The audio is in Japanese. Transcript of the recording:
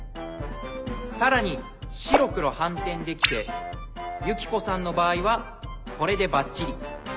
さらに白黒反転できてユキコさんの場合はこれでバッチリ。